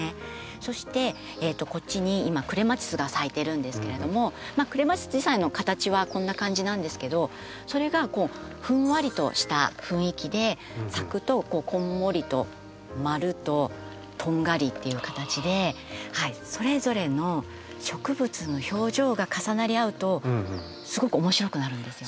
そしてこっちに今クレマチスが咲いてるんですけれどもクレマチス自体の形はこんな感じなんですけどそれがふんわりとした雰囲気で咲くと「こんもり」と「まる」と「とんがり」っていう形でそれぞれの植物の表情が重なり合うとすごく面白くなるんですよ。